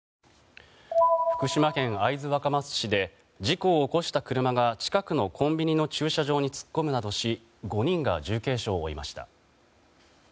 福島県会津若松市で事故を起こした車が近くのコンビニの駐車場に突っ込むなどし５人が重軽傷を負いました。